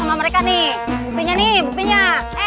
buktinya nih buktinya